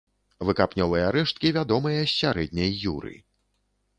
Выкапнёвыя рэшткі вядомыя з сярэдняй юры.